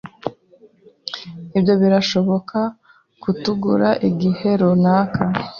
Ibyo birashobora kutugura igihe runaka.